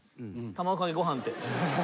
卵かけご飯って。